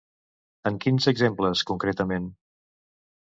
En quins exemples, concretament?